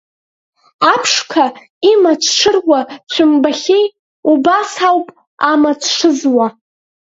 Аԥшқа имаҵ шыруа шәымбахьеи, убас ауп амаҵ шызуа!